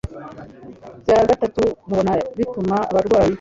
bya gatatu mubona bituma abarwayi